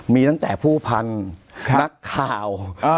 มีตั้งแต่ผู้พันนักข่าว